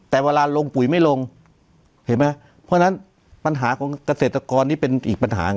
แต่เวลาลงปุ๋ยไม่ลงเห็นไหมเพราะฉะนั้นปัญหาของเกษตรกรนี่เป็นอีกปัญหา